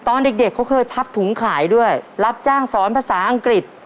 ตอนเด็กเด็กเขาเคยพับถุงขายด้วยรับจ้างสอนภาษาอังกฤษ